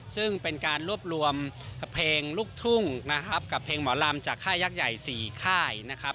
ซึ่งเป็นการรวบรวมเพลงลูกทุ่งนะครับกับเพลงหมอลำจากค่ายยักษ์ใหญ่๔ค่ายนะครับ